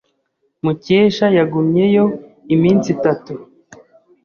Mukesha yagumyeyo iminsi itatu.